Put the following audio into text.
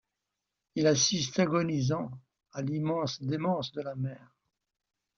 Il assiste, agonisant, à l’immense démence de la mer.